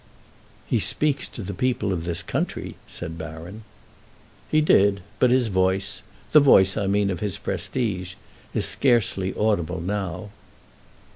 "He speaks to the people of this country," said Baron. "He did; but his voice—the voice, I mean, of his prestige—is scarcely audible now."